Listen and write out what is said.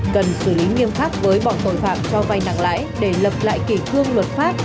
cần xử lý nghiêm pháp với bọn tội phạm cho vay nặng lãi để lập lại kỳ thương luật pháp